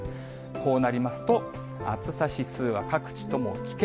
こうなりますと、暑さ指数は、各地とも危険。